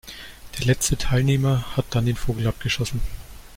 Der letzte Teilnehmer hat dann den Vogel abgeschossen.